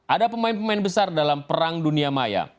ada pemain pemain besar dalam perang dunia maya